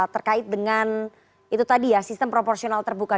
terkait dengan itu tadi ya sistem proporsional terbuka